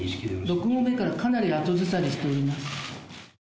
６合目からかなり後ずさりしています。